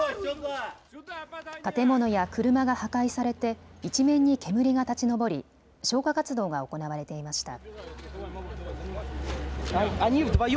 建物や車が破壊されて一面に煙が立ちのぼり消火活動が行われていました。